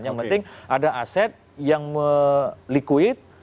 yang penting ada aset yang meliquid